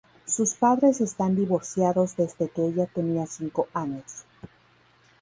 Sus padres están divorciados desde que ella tenía cinco años.